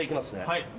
はい。